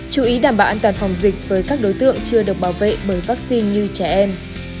chú ý đảm bảo an toàn phòng dịch với các đối tượng chưa được bảo vệ bởi vaccine như trẻ em